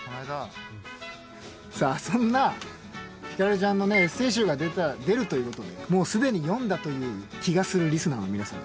さあそんなヒカルちゃんのねエッセイ集が出るということでもう既に読んだという気がするリスナーの皆さん